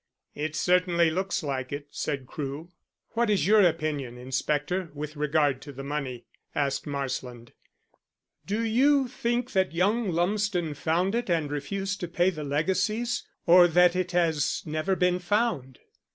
"It certainly looks like it," said Crewe. "What is your opinion, inspector, with regard to the money?" asked Marsland. "Do you think that young Lumsden found it and refused to pay the legacies, or that it has never been found?"